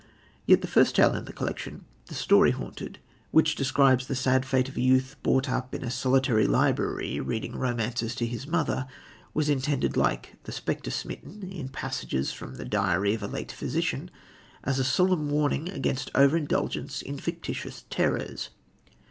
Yet the first tale in the collection, The Story Haunted, which describes the sad fate of a youth brought up in a solitary library reading romances to his mother, was intended, like The Spectre Smitten, in Passages from the Diary of a Late Physician, as a solemn warning against over indulgence in fictitious terrors.